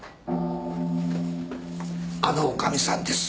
あの女将さんです。